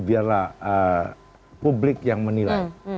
biarlah publik yang menilai